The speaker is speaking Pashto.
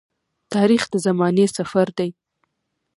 تاریخ د زمانې سفر دی.